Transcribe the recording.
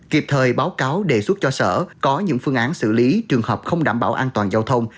kịp thời báo cáo đề xuất cho sở có những phương án xử lý trường hợp không đảm bảo an toàn giao thông